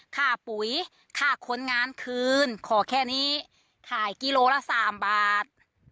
ค่าปุ๋ยค่าคนงานคืนขอแค่นี้ขายกิโลละ๓บาท